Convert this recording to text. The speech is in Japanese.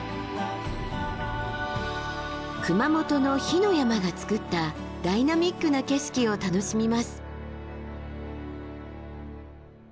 熊本の「火の山」がつくったダイナミックな景色を楽しみます。